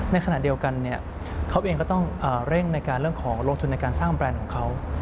ในขณะเดียวกันเขาเองก็ต้องเร่งในการเรื่องของลงทุนในการสร้างแบรนด์ของเขา